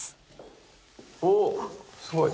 おすごい！